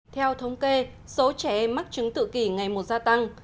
theo thống kê số trẻ mắc chứng tự kỷ ngày một gia tăng